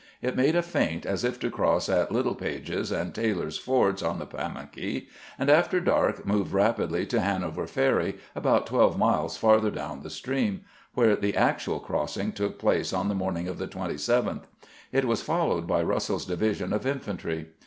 It made a feint as if to cross at Littlepage's and Taylor's fords on the Pamunkey, and after dark moved rapidly to Hanover Ferry, about twelve miles farther down the stream, where the actual crossing took place on the morning of the 27th, It was followed by Russell's division of infantry.